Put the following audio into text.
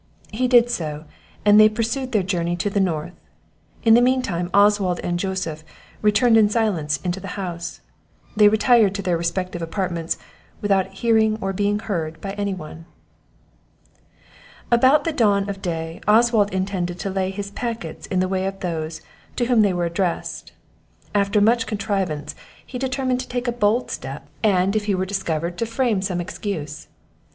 He did so; and they pursued their journey to the north. In the mean time, Oswald and Joseph returned in silence into the house; they retired to their respective apartments without hearing or being heard by any one. About the dawn of day Oswald intended to lay his packets in the way of those to whom they were addressed; after much contrivance he determined to take a bold step, and, if he were discovered, to frame some excuse.